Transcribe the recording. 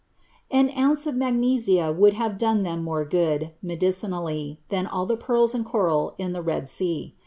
"' An ounce of magnesia would have done lliem more ffood, medicinally, than all the pearls and coral in Ihe lied Sea.